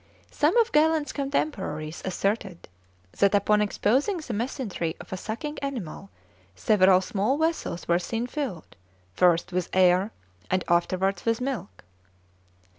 Some of Galen's contemporaries asserted that upon exposing the mesentery of a sucking animal several small vessels were seen filled first with air, and afterwards with milk.